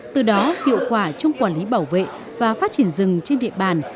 từ đó hiệu quả trong quản lý bảo vệ và phát triển rừng trên địa bàn